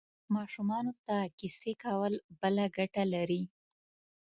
ماشومانو ته کیسې کول بله ګټه لري.